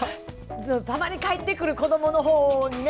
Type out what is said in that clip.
たまに帰ってくる子どものほうね